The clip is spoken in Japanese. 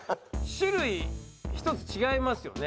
種類１つ違いますよね。